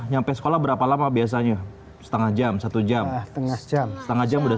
sampai sekolah berapa lama biasanya setengah jam satu jam setengah jam setengah jam udah